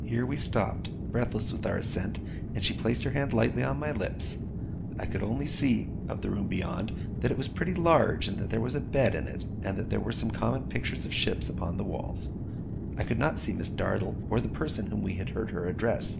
Here we stopped, breathless with our ascent, and she placed her hand lightly on my lips. I could only see, of the room beyond, that it was pretty large; that there was a bed in it; and that there were some common pictures of ships upon the walls. I could not see Miss Dartle, or the person whom we had heard her address.